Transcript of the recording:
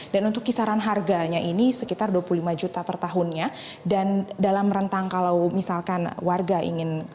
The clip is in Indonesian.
dan untuk kisaran harganya ini sekitar dua puluh lima juta per tahunnya dan dalam rentang kalau misalkan warga ingin